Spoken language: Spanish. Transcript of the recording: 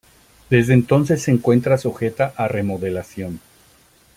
Desde entonces se encuentra sujeta a remodelación.